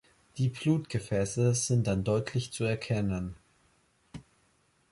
Die Blutgefäße sind dann deutlich zu erkennen.